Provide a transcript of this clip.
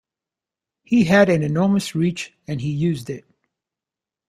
He had an enormous reach, and he used it.